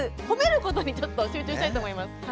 ほめることにちょっと集中したいと思います。